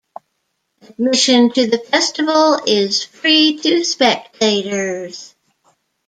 Admission to the festival is free to spectators.